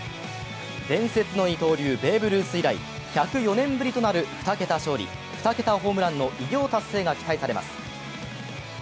伝説の二刀流ベーブ・ルース以来、１０４年ぶりとなる２桁勝利、２桁ホームランの偉業達成が期待されます。